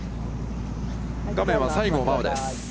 画面は西郷真央です。